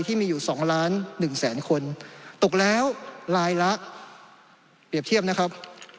ที่มีอยู่๒ล้านหนึ่งแสนคนตกแล้วลายละเปรียบเทียบนะครับ